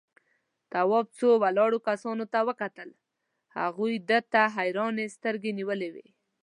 تواب څو ولاړو کسانو ته وکتل، هغوی ده ته حيرانې سترگې نيولې وې.